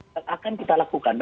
yang akan kita lakukan